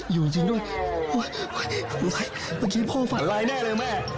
อยู่จริงด้วยเมื่อกี้พ่อฝันร้ายแน่เลยแม่